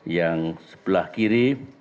yang sebelah kiri